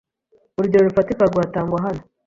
Urugero rufatika rwatangwa hano